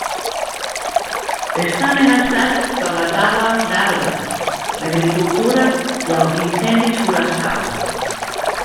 Està amenaçat per la tala d'arbres, l'agricultura i els incendis forestals.